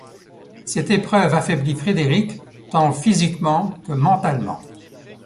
Cette épreuve affaiblit Fredericq tant physiquement que mentalement.